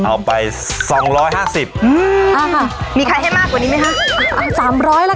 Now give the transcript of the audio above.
เอาไปสองร้อยห้าสิบอ้าวค่ะมีใครให้มากกว่านี้ไหมคะเอาสามร้อยละกัน